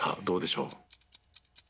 どうでしょう？